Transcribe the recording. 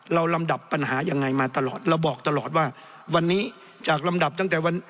ลำดับปัญหายังไงมาตลอดเราบอกตลอดว่าวันนี้จากลำดับตั้งแต่วัน